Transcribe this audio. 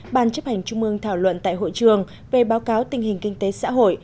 ban chấp hành trung mương thảo luận tại hội trường về báo cáo tình hình kinh tế xã hội